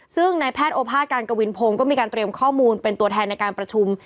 ซึ่งในแพทย์โอภาษการกวินพงศ์ก็มีการเตรียมข้อมูลเป็นตัวแทนในการประชุม